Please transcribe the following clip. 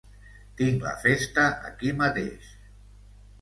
Tinc la festa aquí mateix.